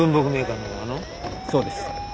そうです。